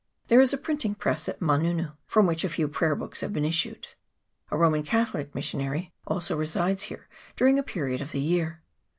There is a printing press at Mangungu, from which a few prayer books have been issued A Roman Catholic missionary also resides here during a period of the year.